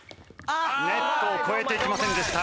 ネットを越えていきませんでした。